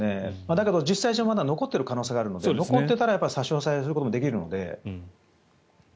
だけど、実際まだ残ってる可能性もあって残ってたらまだ差し押さえすることはできるので。